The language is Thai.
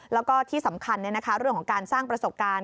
แล้วก็ที่สำคัญเรื่องของการสร้างประสบการณ์